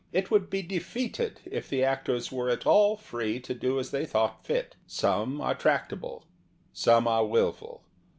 It would be defeated if the actors were at all free to do as they thought fit. Some are trac table. Some are wilful.